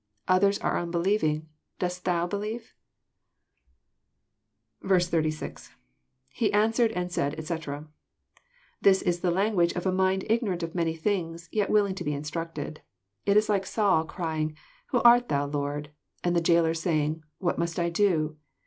" Others are unbeliev ing. Dost thou believe ?" 86. — [J9e answered and said, etc.'} This is the language of a mind ignorant of many things, yet willing to be instructed. It is like Saul crying, •* Who art Thou, Lord? " and the Jailer saying, "What must I do?"